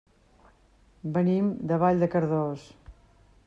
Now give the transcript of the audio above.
Venim de Vall de Cardós.